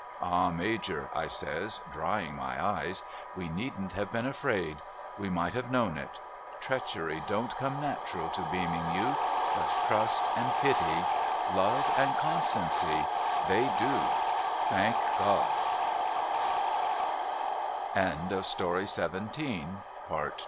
' Ah ALajor ' I says drying my eyes, ' we needn't have been afraid. We might have known it. Treachery don't come natural to beam ing youth ; but trust and pity, love and constancv, — they do, thank Go